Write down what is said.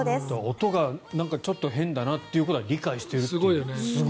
音がちょっと変だなということは理解しているという。